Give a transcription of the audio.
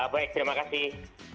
baik terima kasih